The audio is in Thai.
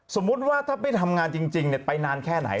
สมมุติว่าถ้าไม่ทำงานจริงไปนานแค่ไหน